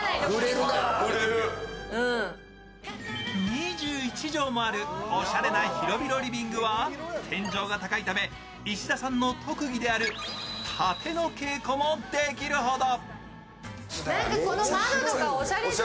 ２１畳もあるおしゃれな広々リビングは天井が高いため石田さんの特技であるたての稽古もできるほど。